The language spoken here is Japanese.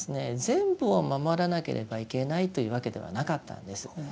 全部を守らなければいけないというわけではなかったんです。